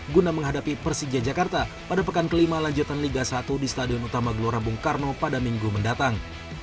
guna menghadapi persija jakarta pada pekan kelima lanjutan liga satu di stadion utama gelora bung karno pada minggu mendatang